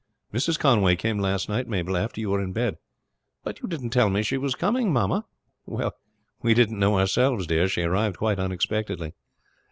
"Mrs. Conway came last night, Mabel, after you were in bed." "But you didn't tell me she was coming, mamma." "We didn't know ourselves, dear; she arrived quite unexpectedly."